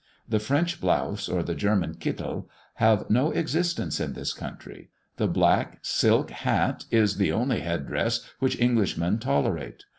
The French blouse, or the German "kittel," have no existence in this country; the black silk hat is the only headdress which Englishmen tolerate.